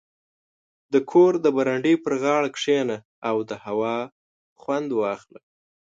• د کور د برنډې پر غاړه کښېنه او د هوا خوند واخله.